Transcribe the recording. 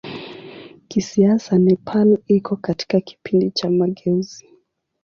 Kisiasa Nepal iko katika kipindi cha mageuzi.